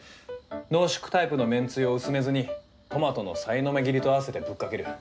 濃縮タイプのめんつゆを薄めずにトマトのさいの目切りと合わせてぶっかける。